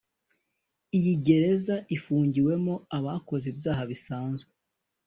Iyi gereza ifungiwemo abakoze ibyaha bisanzwe